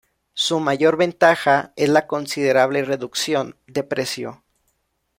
Su mayor ventaja es la considerable reducción de precio.